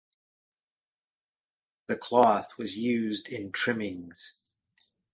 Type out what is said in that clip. The cloth was used in trimmings.